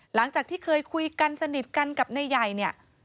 หลังจากที่เคยคุยกันสนิทกันกับนายใหญ่เนี่ย